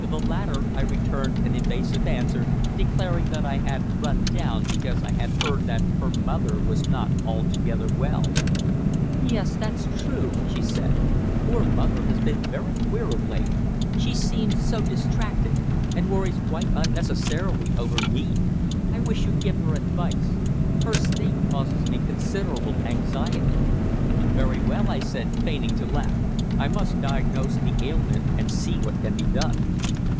To the latter I returned an evasive answer, declaring that I had run down because I had heard that her mother was not altogether well. "Yes, that's true," she said. "Poor mother has been very queer of late. She seems so distracted, and worries quite unnecessarily over me. I wish you'd give her advice. Her state causes me considerable anxiety." "Very well," I said, feigning to laugh, "I must diagnose the ailment and see what can be done."